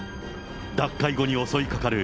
脱会後に襲いかかる